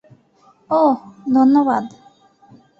ওহ্, ধন্যবাদ।